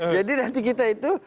jadi nanti kita itu